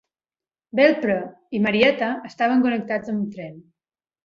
Belpre i Marietta estaven connectats amb tren.